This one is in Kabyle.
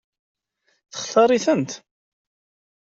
Textaṛ-itent?